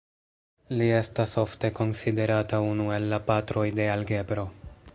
Li estas ofte konsiderata unu el la patroj de algebro.